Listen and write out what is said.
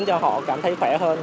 cảm thấy khỏe hơn